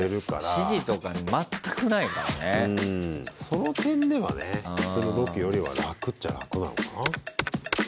その点ではね普通のロケよりは楽っちゃ楽なのかな？